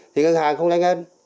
thì ngân hàng không nhanh hơn